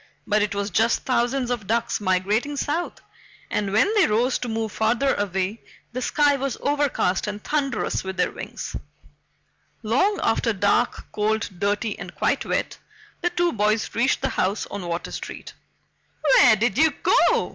But it was just thousands of ducks migrating south, and when they rose to move farther away, the sky was overcast and thunderous with their wings. Long after dark, cold, dirty, and quite wet, the two boys reached the house on Water Street. "Where did you go?"